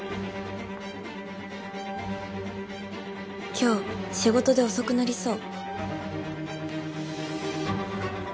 「今日、仕事で遅くなりそう」。